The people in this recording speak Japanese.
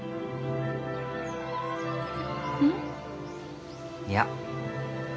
うん？いや。